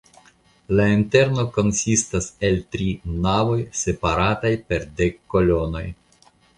La interno konsistas el tri navoj separataj per dek kolonoj.